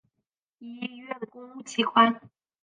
医院公务机关